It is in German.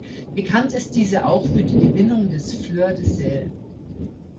Bekannt ist diese auch für die Gewinnung des Fleur de Sel.